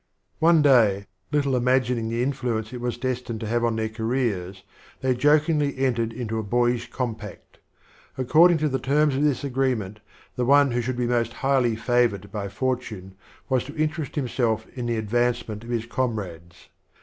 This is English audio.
One day, little imagining the influence it was destined to have on their careers, they jokingly entered into a boyish compact; according to the terms of this agreement the one who should be most highly favored by fortune was to interest him self in the advancement of his comrades.